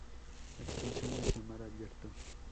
Extensión: hacia mar abierto.